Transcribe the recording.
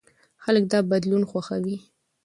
خلک دا بدلون خوښوي.